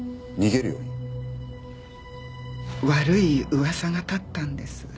悪い噂が立ったんです。